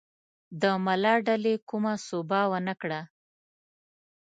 د ملا ډلې کومه سوبه ونه کړه.